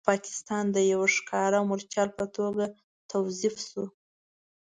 پاکستان د یو ښکاره مورچل په توګه توظیف شو.